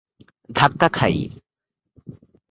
ধাক্কা খাই।